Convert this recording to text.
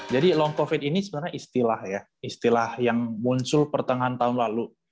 jadi long covid ini sebenarnya istilah ya istilah yang muncul pertengahan tahun lalu